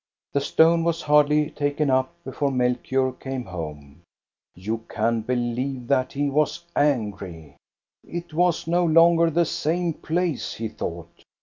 The stone was hardly taken up before Melchior came home. You can believe that he was angry. It was no longer the same place, he thought.